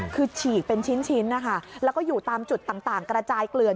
คือฉีกเป็นชิ้นนะคะแล้วก็อยู่ตามจุดต่างกระจายเกลือน